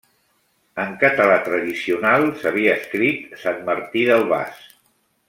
En català tradicional s'havia escrit Sant Martí del Bas.